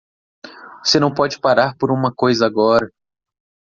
Você não pode parar por uma coisa agora!